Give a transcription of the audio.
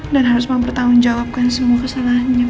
dan harus mempertanggungjawabkan semua kesalahannya mas